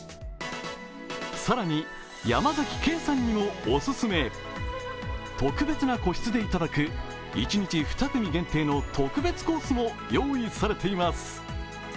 さらに、山崎ケイさんにもおすすめ特別な個室で頂く一日２組限定の特別コースも用意されています。